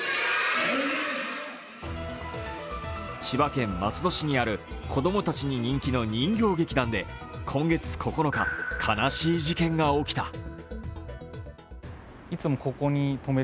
千葉県松戸市にある子供たちに人気の人形劇団で、今月９日、悲しい事件が起きた。